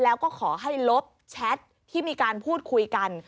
แล้วก็ขอให้ลบแชทที่มีการพูดคุยกัน